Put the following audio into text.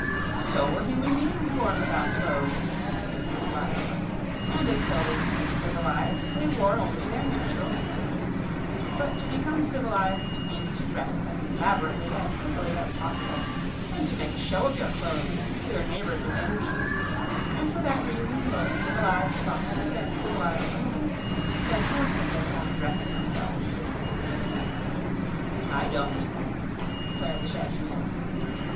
"So were human beings born without clothes," he replied; "and until they became civilized they wore only their natural skins. But to become civilized means to dress as elaborately and prettily as possible, and to make a show of your clothes so your neighbors will envy you, and for that reason both civilized foxes and civilized humans spend most of their time dressing themselves." "I don't," declared the shaggy man.